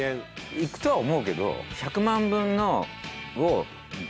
いくとは思うけど。